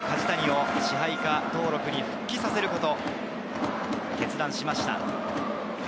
原監督は開幕前に梶谷を支配下登録に復帰させることを決断しました。